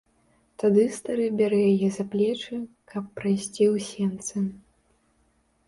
Тады стары бярэ яе за плечы, каб прайсці ў сенцы.